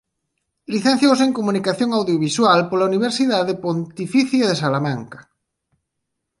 Licenciouse en Comunicación Audiovisual pola Universidade Pontificia de Salamanca.